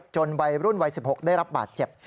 วัยรุ่นวัย๑๖ได้รับบาดเจ็บ